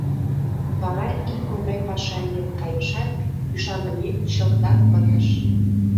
Вара ик оҥай паша лийын кайышат, ӱшанымем чылтак пытыш.